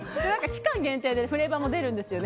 期間限定でフレーバーも出るんですよ